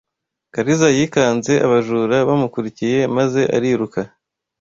Kariza yikanze abajura bamukurikiye maze ariruka